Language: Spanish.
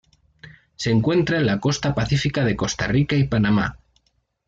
Se encuentra en la costa pacífica de Costa Rica y Panamá.